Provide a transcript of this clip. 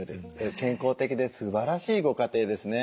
健康的ですばらしいご家庭ですね。